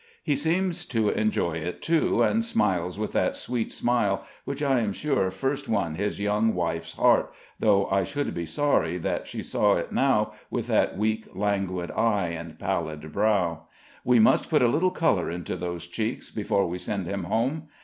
He seems to enjoy it too, and smiles with that sweet smile, which I am sure first won his young wife's heart, though I should be sorry that she saw it now, with that weak, languid eye and pallid brow; we must put a little color into those cheeks, before we send him home.